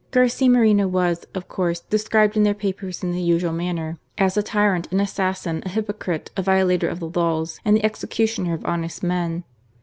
Garcia Moreno was, of course, described in their papers in the usual manner "as a tyrant, an assassin, a hypocrite, a violator of the laws, and the executioner of honest men."